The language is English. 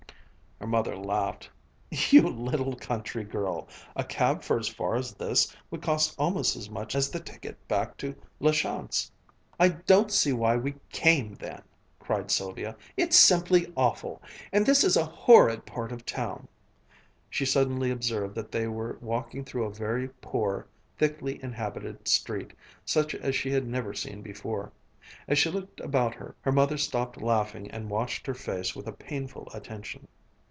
Her mother laughed. "You little country girl! A cab for as far as this would cost almost as much as the ticket back to La Chance." "I don't see why we came, then!" cried Sylvia. "It's simply awful! And this is a horrid part of town!" She suddenly observed that they were walking through a very poor, thickly inhabited street, such as she had never seen before. As she looked about her, her mother stopped laughing and watched her face with a painful attention.